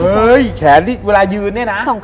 เฮ้ยแขนนี่เวลายืนเนี่ยนะ